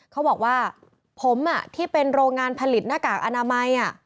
เขาบอกว่าผมที่เป็นโรงงานผลิตหน้ากากอนามัย